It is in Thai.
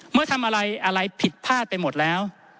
เมื่อทำอะไรอะไรผิดพลาดไปหมดแล้ว